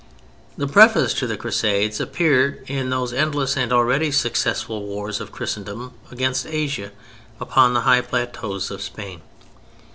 The preface to the Crusades appeared in those endless and already successful wars of Christendom against Asia upon the high plateaus of Spain.